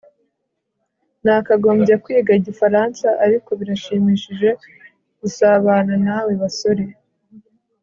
Nakagombye kwiga Igifaransa ariko birashimishije gusabana nawe basore